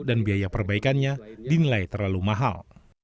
dan biaya perbaikannya dinilai terlalu mahal